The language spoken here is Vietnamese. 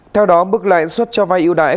theo đó mức lãi suất cho vai ưu đãi